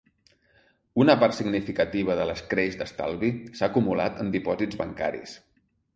Una part significativa de l’escreix d’estalvi s’ha acumulat en dipòsits bancaris.